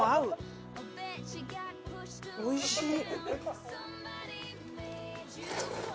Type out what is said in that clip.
おいしい？